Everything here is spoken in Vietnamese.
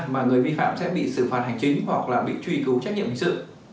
mà người vi phạm sẽ bị xử phạt hành chính hoặc là bị truy cứu trách nhiệm hình sự